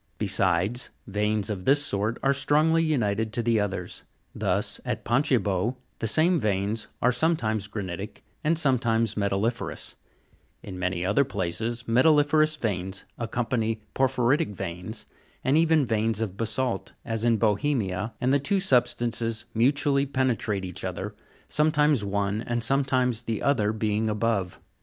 Besides, veins of this sort are strongly united to the others : thus, at Pontgibaud, the same veins are sometimes granitic and sometimes metalli'ferous ; in many other places metalli'ferous veins accompany por phyritic veins, and even veins of basa'lt, as in Bohemia, and the two sub stances mutually penetrate each other, sometimes one and sometimes the other being above.